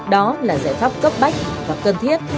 đó là giải pháp cấp bách và cân thiết